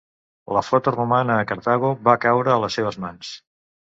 La flota romana a Cartago va caure a les seves mans.